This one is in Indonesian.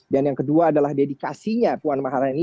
dan yang kedua adalah dedikasinya puan maharani